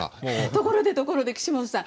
ところでところで岸本さん